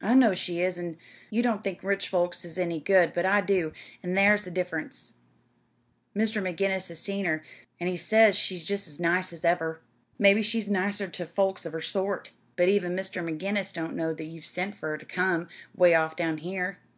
"I know she is, an' you don't think rich folks is any good; but I do, an' thar's the diff'rence. Mr. McGinnis has seen her, an' he says she's jest as nice as ever." "Mebbe she is nice ter folks o' her sort, but even Mr. McGinnis don't know that you've sent fur her ter come 'way off down here."